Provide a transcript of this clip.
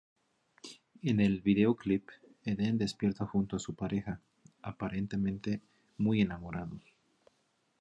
En el videoclip, Eden despierta junto a su pareja, aparentemente muy enamorados.